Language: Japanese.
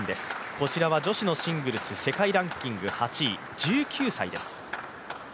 こちらは女子のシングルス世界ランキング８位１９歳です。